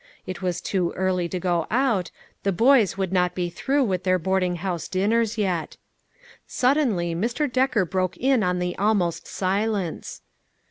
It was too early to go out ; the boys would not be through with their boarding house dinners yet. Sud denly Mr. Decker broke in on the almost silence.